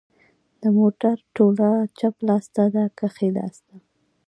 د موټر توله چپ لاس ته ده که ښي لاس ته